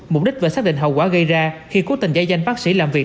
mục đích và xác định hậu quả gây ra khi cố tình giải danh bác sĩ làm việc